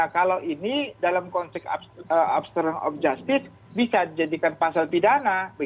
kalau ini dalam konteks abstruc of justice bisa dijadikan pasal pidana